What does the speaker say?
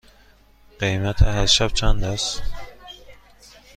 قیمت هر شب چند است؟